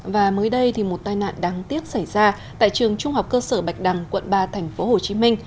và mới đây thì một tai nạn đáng tiếc xảy ra tại trường trung học cơ sở bạch đằng quận ba tp hcm